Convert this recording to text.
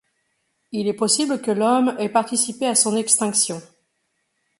Il est possible que l'Homme ait participé à son extinction.